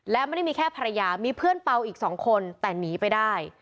และไม่ได้มีแค่ภรรยามีเพื่อนเป่าอีก๒คนแต่หนีไปได้